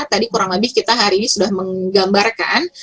tadi kurang lebih kita hari ini sudah menggambarkan